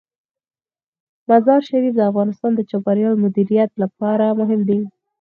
مزارشریف د افغانستان د چاپیریال د مدیریت لپاره مهم دي.